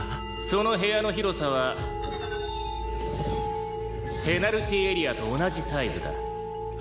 「その部屋の広さはペナルティーエリアと同じサイズだ」